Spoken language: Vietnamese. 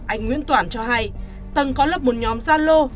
anh nguyễn toản cho hay tầng có lập một nhóm gia lô